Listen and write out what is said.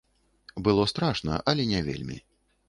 Было страшна, але не вельмі.